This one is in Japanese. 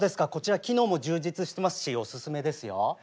こちら機能も充実してますしおすすめですよ。